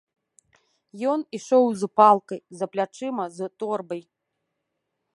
Ён ішоў з палкай, за плячыма з торбай.